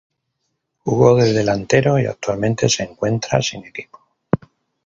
Jugó de delantero y actualmente se encuentra sin equipo.